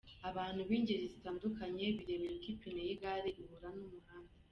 Abantu b’ingeri zitandukanye birebera uko ipine y’igare ihura n’umuhanda.